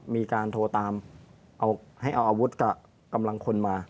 มีการโทรตามให้เอาอาวุธกับกำลังคนมา